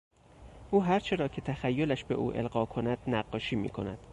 او هرچه را که تخیلش به او القا کند نقاشی میکند.